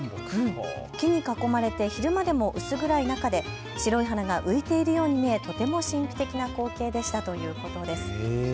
木に囲まれて昼間でも薄暗い中で白い花が浮いているように見えとても神秘的な光景でしたということです。